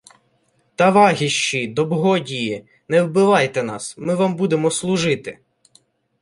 — Тавагіщі! Добгодії! Не вбивайте нас! Ми вам будемо служити!